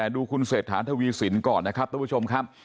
ดูคุณเศรษฐาทวีสินก่อนนะครับทุกผู้ชมครับ